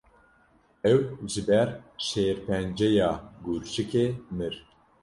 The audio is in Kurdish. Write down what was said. Ew ji ber şêrpenceya gurçikê mir.